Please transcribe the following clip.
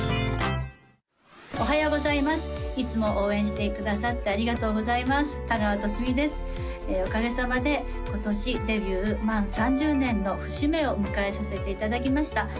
おはようございますいつも応援してくださってありがとうございます田川寿美ですおかげさまで今年デビュー満３０年の節目を迎えさせていただきました